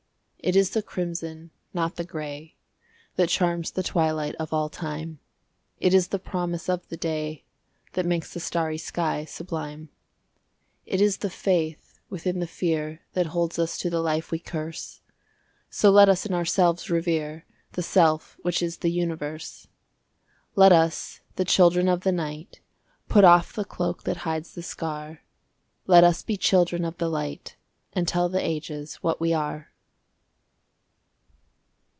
It is the crimson, not the gray, That charms the twilight of all time; It is the promise of the day That makes the starry sky sublime; It is the faith within the fear That holds us to the life we curse; So let us in ourselves revere The Self which is the Universe! Let us, the Children of the Night, Put off the cloak that hides the scar! Let us be Children of the Light, And tell the ages what we are!